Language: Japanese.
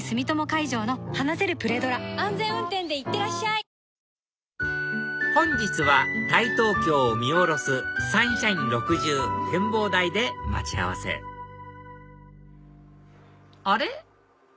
安全運転でいってらっしゃい本日は大東京を見下ろすサンシャイン６０展望台で待ち合わせあれ？